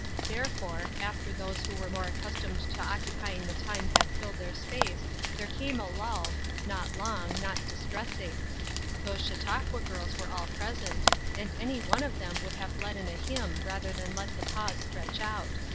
Therefore, after those who were more accustomed to occup3dng the time had filled their space there came a lull, not long, not dis tressing. Those Chautauqua girls were ail pre ss "From Different Standpoints, 89 «$nt, and any one of them would have led in a hymn rather than let the pause stretch out.